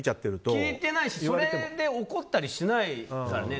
聞いてないしそれで怒ったりしないからね。